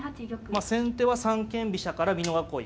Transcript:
まあ先手は三間飛車から美濃囲い。